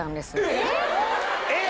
えっ！